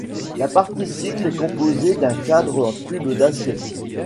La partie cycle est composée d'un cadre en tube d'acier.